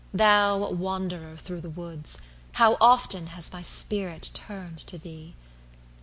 thou wanderer thro' the woods, How often has my spirit turned to thee!